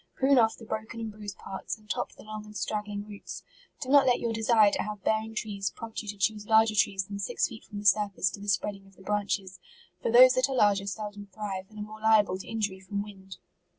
Prune off the broken and bruised parts, and top the long and strag gling roots. Do not let your desire to have bearing trees prompt you to choose larger trees than six feet from the surface to the spreading of the branches; for those that are larger seldom thrive, and are more liable to injury from wind.